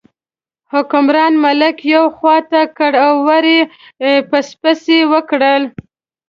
حکمران ملک یوې خوا ته کړ او ور یې پسپسي وکړل.